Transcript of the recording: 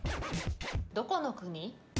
どこの国？